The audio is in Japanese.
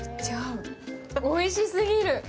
おいしすぎる。